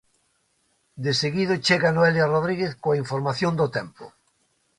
Deseguido chega Noelia Rodríguez coa información do tempo.